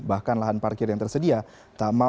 bahkan lahan parkir yang tersedia